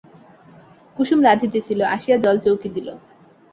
কুসুম রাঁধিতেছিল, আসিয়া জলচৌকি দিল।